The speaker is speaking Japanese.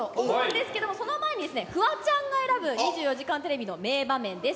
ですけれども、その前にですね、フワちゃんが選ぶ２４時間テレビの名場面です。